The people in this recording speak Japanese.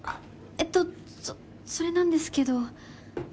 えっとそそれなんですけど。